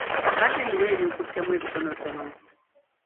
Mbadde nina ebinkuttemu ebitonotono.